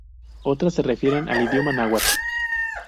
Otras se refieren al idioma náhuatl.